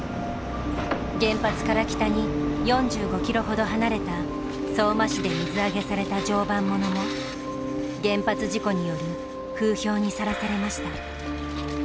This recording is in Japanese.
原発から北に４５キロほど離れた相馬市で水揚げされた常磐ものも原発事故による風評にさらされました。